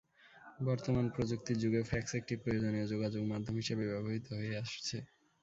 বর্তমান প্রযুক্তির যুগেও ফ্যাক্স একটি প্রয়োজনীয় যোগাযোগমাধ্যম হিসেবে ব্যবহূত হয়ে আসছে।